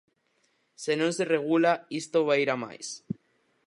Se non se regula isto vai ir a máis.